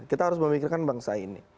kita harus memikirkan bangsa ini